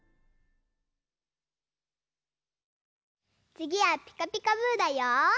つぎは「ピカピカブ！」だよ。